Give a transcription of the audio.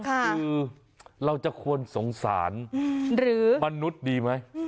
คือเราจะควรสงสารหรือมนุษย์ดีไหม